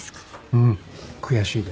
うん悔しいです。